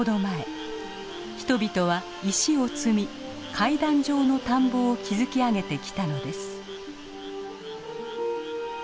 人々は石を積み階段状の田んぼを築き上げてきたのです。